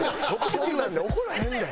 そんなんで怒らへんねん。